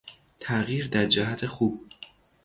تغییر در جهت خوب